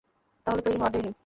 তা হলে তৈরি হও, আর দেরি নেই।